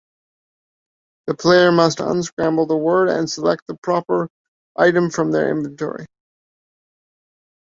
The player must unscramble the word and select the proper item from their inventory.